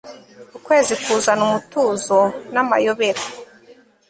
ukwezi kuzana umutuzo n'amayobera